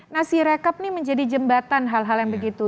nah sirekap ini menjadi jembatan hal hal yang begitu